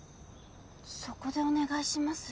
そこでお願いします。